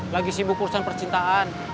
lagi sibuk urusan percintaan